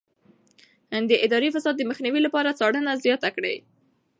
ده د اداري فساد د مخنيوي لپاره څارنه زياته کړه.